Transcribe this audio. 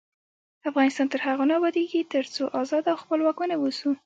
افغانستان تر هغو نه ابادیږي، ترڅو ازاد او خپلواک ونه اوسو.